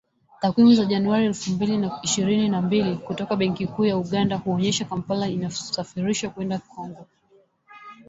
Takwimu za Januari elfu mbili na ishirini na mbili kutoka Benki Kuu ya Uganda, huonyesha Kampala inasafirisha kwenda Kongo